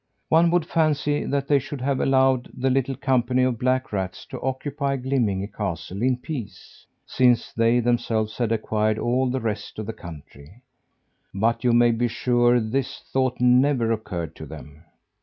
One would fancy that they should have allowed the little company of black rats to occupy Glimminge castle in peace, since they themselves had acquired all the rest of the country; but you may be sure this thought never occurred to them.